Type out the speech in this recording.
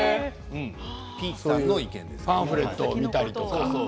パンフレットを見たりとか。